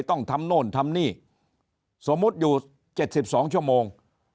ต้องทำโน่นทำนี่สมมุติอยู่๗๒ชั่วโมง